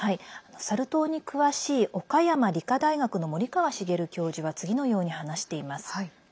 サル痘に詳しい岡山理科大学の森川茂教授は次のように話しています。